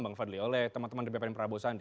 bang fadli oleh teman teman dari bpn prabowo sandi